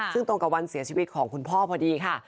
ซึ่งตรงกับวันเสียชีวิตของคุณพ่อพอดีค่ะ